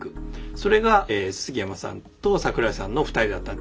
それが杉山さんと桜井さんの２人だった。